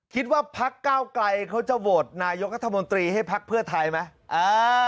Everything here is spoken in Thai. คิดว่าพักเก้าไกลเขาจะโหวตนายกรัฐมนตรีให้พักเพื่อไทยไหม